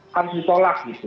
harus ditolak gitu